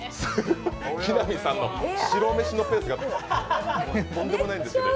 木南さんの白飯のペースがとんでもないですね。